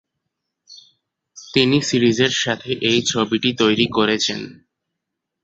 তিনি সিরিজের সাথে এই ছবিটি তৈরি করেছেন।